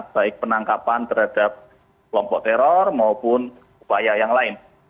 baik penangkapan terhadap kelompok teror maupun upaya yang lain